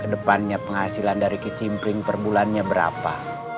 kedepannya penghasilan dari kecimpring perbulannya berapa